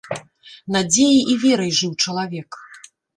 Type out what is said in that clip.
Надзеяй і верай жыў чалавек.